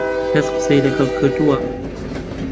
کەس قسەی لەگەڵ کردووە؟